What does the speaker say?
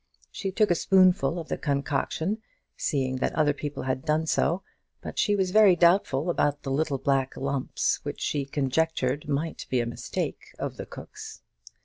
She took a spoonful of the concoction, seeing that other people had done so; but she was very doubtful about the little black lumps, which she conjectured to be a mistake of the cook's.